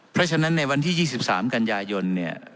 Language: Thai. เพราะฉะนั้นในวันที่๒๓กันยายนเนี่ย